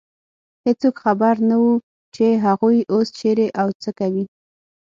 هېڅوک خبر نه و، چې هغوی اوس چېرې او څه کوي.